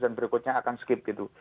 dan berikutnya akan skip gitu